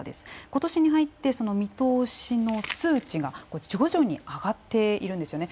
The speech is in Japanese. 今年に入って見通しの数値が徐々に上がっているんですよね。